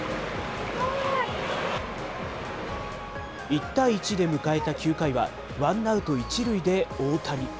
１対１で迎えた９回は、ワンアウト１塁で大谷。